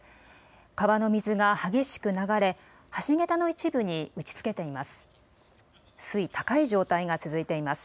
川の水が激しく流れ、橋桁の一部に打ちつけています。